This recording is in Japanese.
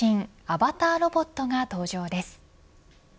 アバターロボットが登場です。